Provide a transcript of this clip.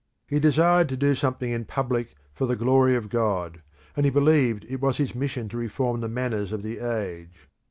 He desired to do something in public for the glory of God, and he believed it was his mission to reform the manners of the age.